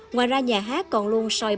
ngoài ra nhà hát còn luôn soi bàn